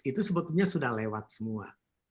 itu sebetulnya sudah lewat semua